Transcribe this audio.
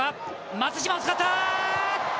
松島を使った！